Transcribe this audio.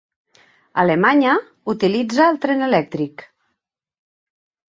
Alemanya utilitza el tren elèctric.